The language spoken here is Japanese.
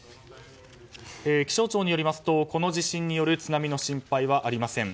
気象庁によりますとこの地震による津波の心配はありません。